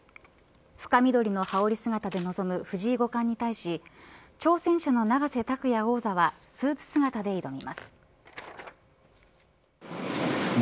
深緑の羽織姿で臨む藤井五冠に対し挑戦者の永瀬拓矢王座はスーツ姿で挑みます。